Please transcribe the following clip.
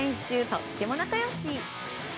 とっても仲良し！